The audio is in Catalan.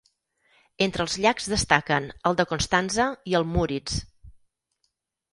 Entre els llacs destaquen el de Constanza i el Müritz.